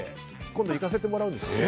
今度行かせてもらうんですよね。